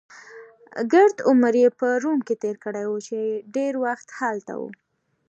ګرد عمر يې په روم کې تېر کړی وو، چې ډېر وخت هلته و.